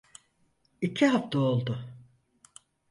İki hafta oldu.